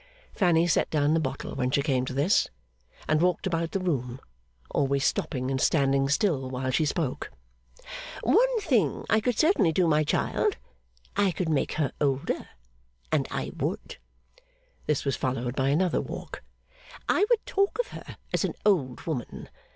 Fanny set down the bottle when she came to this, and walked about the room; always stopping and standing still while she spoke. 'One thing I could certainly do, my child: I could make her older. And I would!' This was followed by another walk. 'I would talk of her as an old woman.